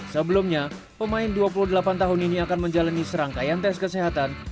sebelumnya pemain dua puluh delapan tahun ini akan menjalani serangkaian tes kesehatan